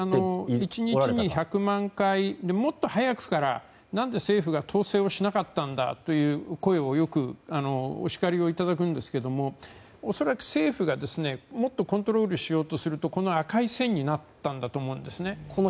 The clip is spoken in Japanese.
１日に１００万回もっと早くから政府が何で統制をしなかったんだという声をよくお叱りをいただくんですが恐らく政府がもっとコントロールしようとすると赤い線になったんだと思うんですね。